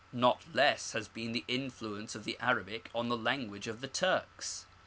Not less has been the influence of the Arabic on the language of the Turks.